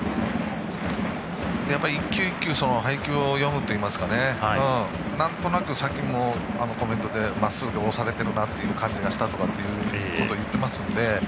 やっぱり１球１球配球を読むといいますかなんとなく、さっきのコメントでまっすぐで押されているような感じがしたとかいうことを言っていますので。